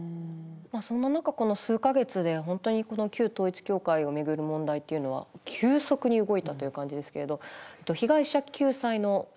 そんな中この数か月で本当にこの旧統一教会を巡る問題っていうのは急速に動いたという感じですけれど。